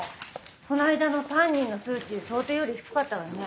この間のタンニンの数値想定より低かったわね。